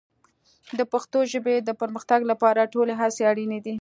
د پښتو ژبې د پرمختګ لپاره ټولې هڅې اړین دي.